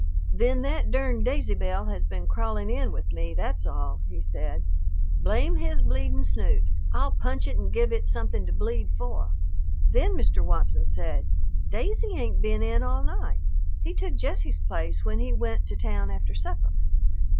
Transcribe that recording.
"Then that durned Daisy Belle has been crawling in with me, that's all," he said. "Blame his bleeding snoot. I'll punch it and give it something to bleed for." Then Mr. Watson said, "Daisy ain't been in all night. He took Jesse's place when he went to town after supper."